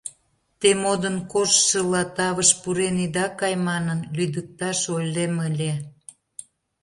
Те, модын коштшыла, тавыш пурен ида кай манын, лӱдыкташ ойлем ыле.